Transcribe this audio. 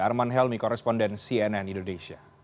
arman helmi koresponden cnn indonesia